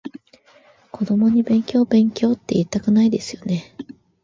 子供に勉強勉強っていいたくないですよね？